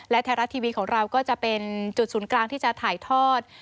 และไทยรัฐทีวีของเราก็จะเป็นจุดศูนย์กลางที่จะถ่ายทอด